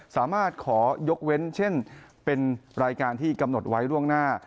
สามารถขอยกเว้นเช่นเป็นรายการที่กำหนดไว้ล่วงหน้า